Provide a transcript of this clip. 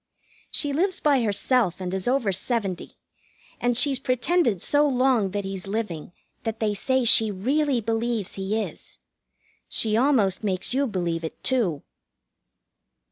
She lives by herself and is over seventy, and she's pretended so long that he's living that they say she really believes he is. She almost makes you believe it, too.